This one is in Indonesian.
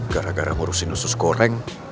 gara gara ngurusin usus goreng